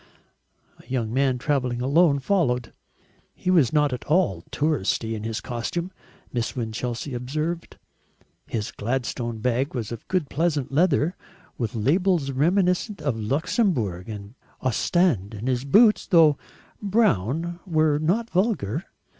A young man travelling alone followed. He was not at all "touristy" in his costume, Miss Winchelsea observed; his Gladstone bag was of good pleasant leather with labels reminiscent of Luxembourg and Ostend, and his boots, though brown, were not vulgar.